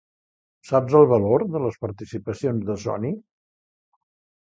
Saps el valor de les participacions de Sony?